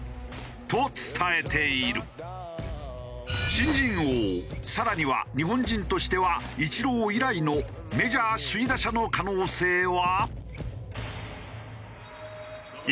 新人王更には日本人としてはイチロー以来のメジャー首位打者の可能性は？